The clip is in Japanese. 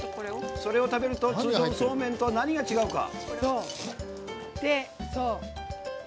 それを食べると普通のそうめんと何が違うか。